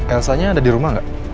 elsanya ada di rumah nggak